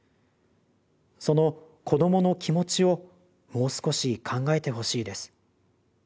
その子どもの気持ちをもう少し考えてほしいです。